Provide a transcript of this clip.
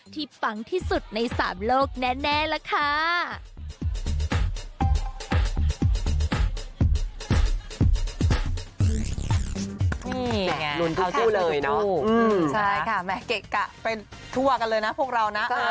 ที่ปั๊งที่สุดในสามโลกแน่แหละค่ะ